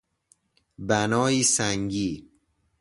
بنایی سنگی